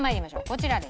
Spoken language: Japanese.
こちらです。